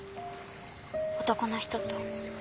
男の人と。